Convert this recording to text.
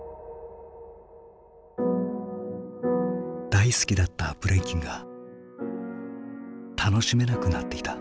大好きだったブレイキンが楽しめなくなっていた。